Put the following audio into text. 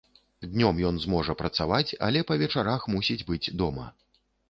Днём ён зможа працаваць, але па вечарах мусіць быць дома.